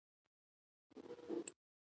له پېښور کمیشنر سر ریچارډ پالک سره وکتل.